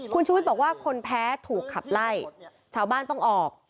คุณชูวิทย์บอกว่าคนแพ้ถูกขับไล่ชาวบ้านต้องออก